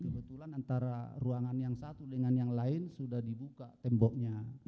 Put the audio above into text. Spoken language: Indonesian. kebetulan antara ruangan yang satu dengan yang lain sudah dibuka temboknya